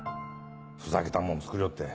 ふざけたもん作りよって。